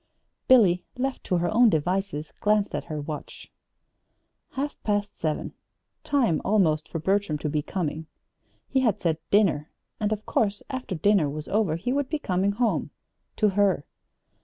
Billy, left to her own devices, glanced at her watch. Half past seven! Time, almost, for Bertram to be coming. He had said "dinner"; and, of course, after dinner was over he would be coming home to her.